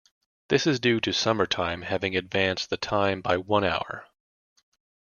This is due to summer time having advanced the time by one hour.